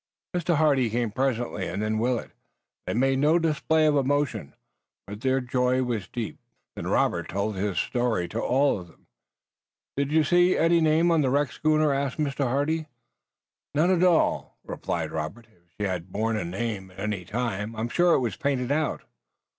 Mr. Hardy came presently and then Willet. They made no display of emotion, but their joy was deep. Then Robert told his story to them all. "Did you see any name on the wrecked schooner?" asked Mr. Hardy. "None at all," replied Robert. "If she had borne a name at any time I'm sure it was painted out."